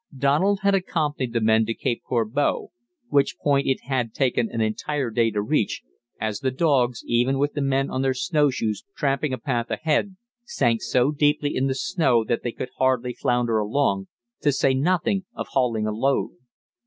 Douglas had accompanied the men to Cape Corbeau, which point it had taken an entire day to reach, as the dogs, even with the men on their snowshoes tramping a path ahead, sank so deeply in the snow that they could hardly flounder along, to say nothing of hauling a load.